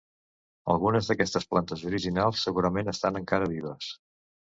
Algunes d'aquestes plantes originals segurament estan encara vives.